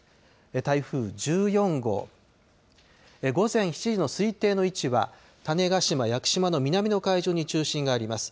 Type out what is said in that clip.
台風１４号、午前７時の推定の位置は種子島・屋久島の南の海上に中心があります。